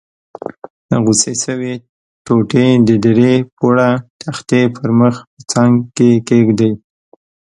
غوڅې شوې ټوټې د درې پوړه تختې پر مخ په څنګ کې کېږدئ.